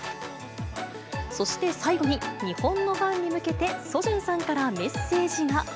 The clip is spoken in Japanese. そして最後に、日本のファンに向けて、ソジュンさんからメッセージが。